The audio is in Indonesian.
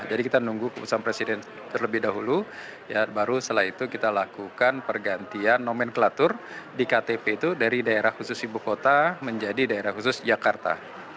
jadi kita menunggu keputusan presiden terlebih dahulu baru setelah itu kita lakukan pergantian nomenklatur di ktp itu dari daerah khusus ibu kota menjadi daerah khusus jakarta